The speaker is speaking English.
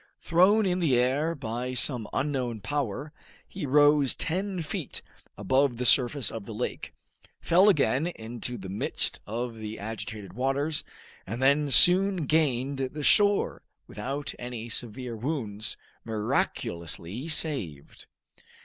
Thrown in the air by some unknown power, he rose ten feet above the surface of the lake, fell again into the midst of the agitated waters, and then soon gained the shore, without any severe wounds, miraculously saved.